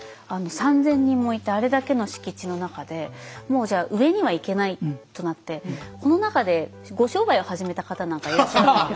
３，０００人もいてあれだけの敷地の中でもうじゃあ上にはいけないとなってこの中でご商売を始めた方なんかいらっしゃらないんですか？